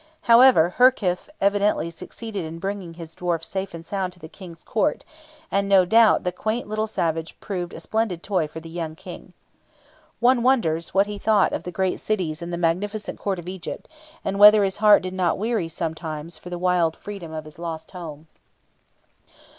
However, Herkhuf evidently succeeded in bringing his dwarf safe and sound to the King's Court, and no doubt the quaint little savage proved a splendid toy for the young King. One wonders what he thought of the great cities and the magnificent Court of Egypt, and whether his heart did not weary sometimes for the wild freedom of his lost home.